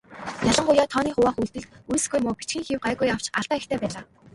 Ялангуяа тооны хуваах үйлдэлд үйлсгүй муу, бичгийн хэв гайгүй авч алдаа ихтэй байлаа.